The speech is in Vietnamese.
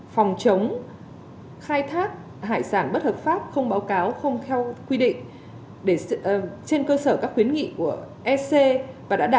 phòng chống khai thác hải sản bất hợp pháp không báo cáo không theo kêu địa